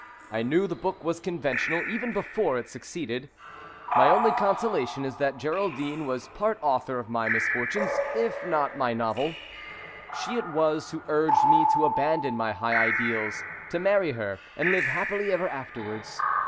I knew the book was conventional even before it succeeded. My only consolation is that Geraldine was part author of my misfortunes, if not of my novel. She it was who urged me to abandon my high ideals, to marry her, and live happily ever afterwards.